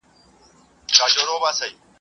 کتابتون له کتابتون ښه دی،